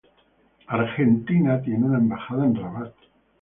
Argentina tiene una embajada en Rabat.